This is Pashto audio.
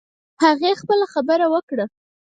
هغې خپله خبره وکړه